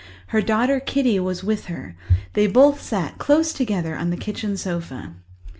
Her daughter Kitty was with her; they both sat close together on the kitchen sofa.